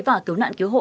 và cứu nạn cứu hộ